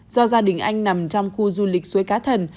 do gia đình anh nằm trong khu du lịch suối cá thần